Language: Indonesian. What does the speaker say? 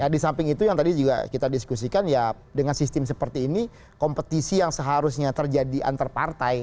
di samping itu yang tadi juga kita diskusikan ya dengan sistem seperti ini kompetisi yang seharusnya terjadi antar partai